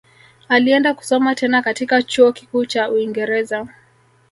Alienda kusoma tena katika chuo kikuu cha uingereza